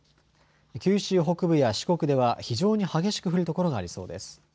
九州北部や四国では非常に激しく降る所がありそうです。